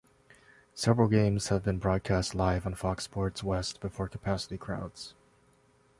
Several games have been broadcast live on Fox Sports West before capacity crowds.